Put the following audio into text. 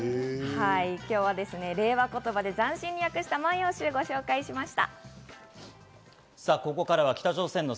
今日は令和言葉で斬新に訳した『万葉集』をご紹介しました。